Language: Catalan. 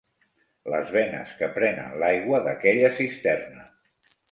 Les venes que prenen l'aigua d'aquella cisterna